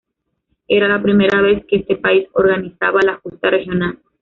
Era la primera vez que este país organizaba la justa regional.